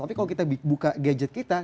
tapi kalau kita buka gadget kita